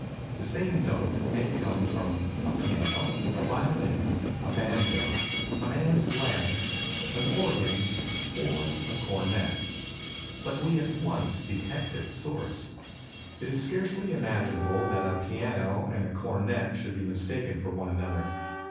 The same note may come from a piano, a violin, a banjo, a man's larynx, an organ, or a cornet; but we at once detect its source. It is scarcely imaginable that a piano and a cornet should be mistaken for one another.